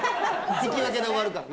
引き分けで終わるからな。